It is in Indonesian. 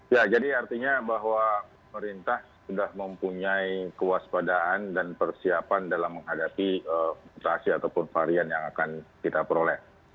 ya jadi artinya bahwa pemerintah sudah mempunyai kewaspadaan dan persiapan dalam menghadapi mutasi ataupun varian yang akan kita peroleh